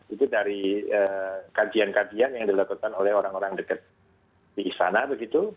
itu dari kajian kajian yang dilakukan oleh orang orang dekat di istana begitu